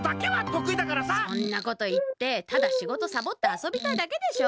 そんなこといってただしごとサボってあそびたいだけでしょ。